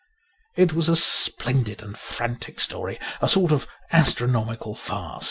It was a splendid and frantic story, a sort of astro nomical farce.